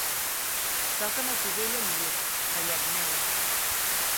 Toca'm el tudell al llit, reiet meu.